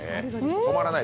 止まらない？